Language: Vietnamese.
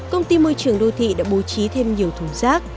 công ty môi trường đô thị đã bố trí thêm nhiều thùng rác